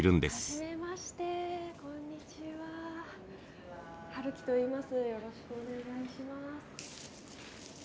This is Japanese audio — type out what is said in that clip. よろしくお願いします。